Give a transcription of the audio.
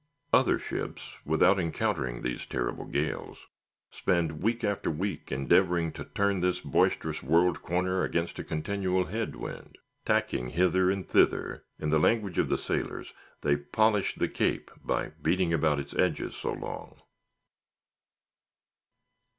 Other ships, without encountering these terrible gales, spend week after week endeavoring to turn this boisterous world corner against a continual head wind. Tacking hither and thither, in the language of sailors they polish the Cape by beating about its edges so long.